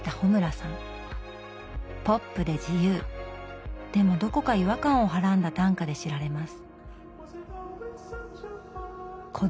ポップで自由でもどこか違和感をはらんだ短歌で知られます。